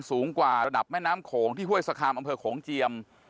สูงกว่าระดับแม่น้ำโขงที่ห้วยสคามอำเภอโขงเจียม